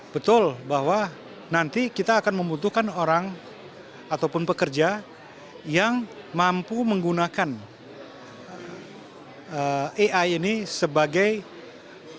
betul bahwa nanti kita akan membutuhkan orang ataupun pekerja yang mampu menggunakan ai ini sebagai pengungkir untuk menjaga keuntungan